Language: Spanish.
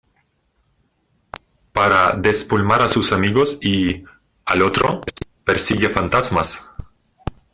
para desplumar a sus amigos y, al otro , persigue fantasmas